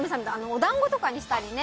お団子とかにしたりね。